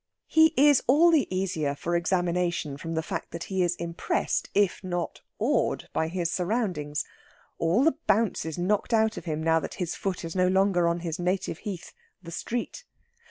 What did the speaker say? He is all the easier for examination from the fact that he is impressed, if not awed, by his surroundings. All the bounce is knocked out of him, now that his foot is no longer on his native heath, the street.